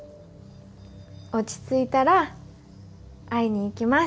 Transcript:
落ち着いたら会いに行きます。